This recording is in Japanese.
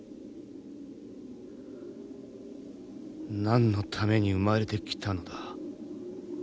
何のために生まれてきたのだ。